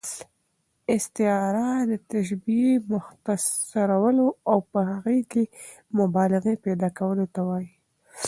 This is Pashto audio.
استعاره د تشبیه، مختصرولو او په هغې کښي مبالغې پیدا کولو ته وايي.